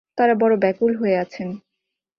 তাঁরা বড়ো ব্যাকুল হয়ে আছেন।